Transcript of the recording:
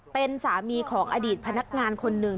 เป็นสามีของอดีตพนักงานคนหนึ่ง